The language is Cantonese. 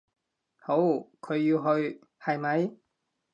好，佢要去，係咪？